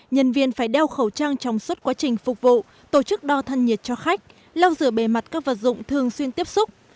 nhân viên phải đeo khẩu trang trong suốt quá trình phục vụ tổ chức đo thân nhiệt cho khách lau rửa bề mặt các vật dụng thường xuyên tiếp xúc